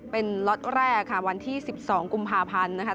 เป็นล็อตแรกค่ะวันที่๑๒กุมภาพันธ์นะคะ